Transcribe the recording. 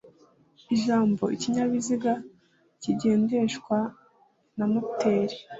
Ijambo "ikinyabiziga kigendeshwa na moteri"